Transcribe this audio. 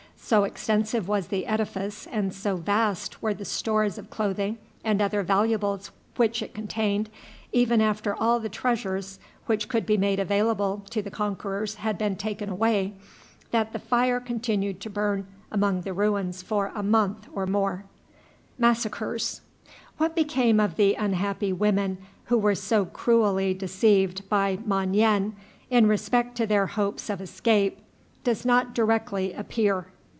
So extensive was the edifice, and so vast were the stores of clothing and other valuables which it contained, even after all the treasures which could be made available to the conquerors had been taken away, that the fire continued to burn among the ruins for a month or more. What became of the unhappy women who were so cruelly deceived by Mon yen in respect to their hopes of escape does not directly appear.